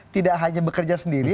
tidak hanya bekerja sendiri